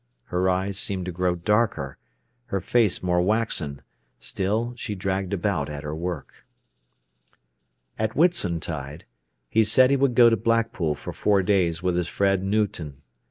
Her eyes seemed to grow darker, her face more waxen; still she dragged about at her work. At Whitsuntide he said he would go to Blackpool for four days with his friend Newton.